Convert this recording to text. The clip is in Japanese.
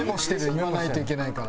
言わないといけないから。